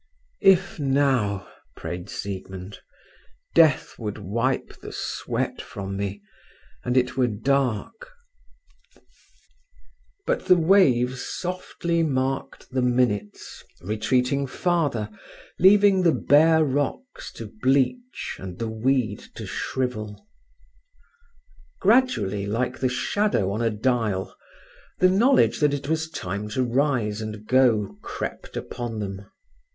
"If now," prayed Siegmund, "death would wipe the sweat from me, and it were dark…." But the waves softly marked the minutes, retreating farther, leaving the bare rocks to bleach and the weed to shrivel. Gradually, like the shadow on a dial, the knowledge that it was time to rise and go crept upon them.